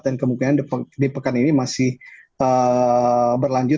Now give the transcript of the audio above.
dan kemungkinan di pekan ini masih berlanjut